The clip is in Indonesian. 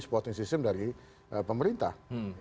supporting system dari pemerintah